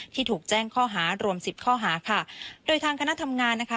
ที่ถูกแจ้งข้อหารวมสิบข้อหาค่ะโดยทางคณะทำงานนะคะ